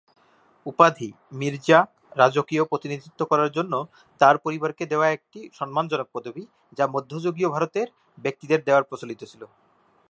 উপাধি, মির্জা, রাজকীয় প্রতিনিধিত্ব করার জন্য তার পরিবারকে দেওয়া একটি সম্মানজনক পদবি, যা মধ্যযুগীয় ভারতে ব্যক্তিদের দেওয়ার প্রচলিত ছিল।